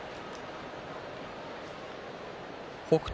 北勝